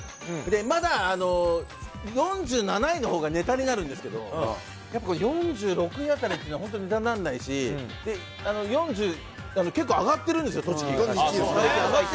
まだ４７位のほうがネタになるんですけど、やっぱこれ、４６位あたりというのは本当にネタにならないし、４０、結構、上がってるんですよ、栃木。